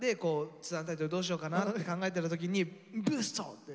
ツアータイトルどうしようかなって考えてる時に「ＢＯＯＯＯＯＳＴ！！」